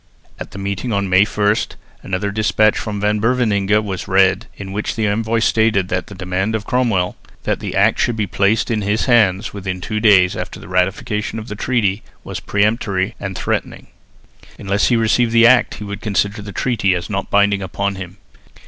At the meeting on May 1 another despatch from Van Beverningh was read in which the envoy stated that the demand of Cromwell that the Act should be placed in his hands within two days after the ratification of the treaty was peremptory and threatening. Unless he received the Act he would consider the treaty as not binding upon him.